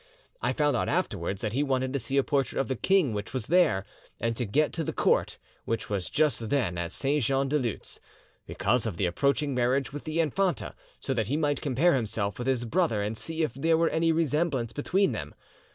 I found out afterwards that he wanted to see a portrait of the king which was there, and to get to the court, which was just then at Saint Jean de Luz, because of the approaching marriage with the infanta; so that he might compare himself with his brother and see if there were any resemblance between them.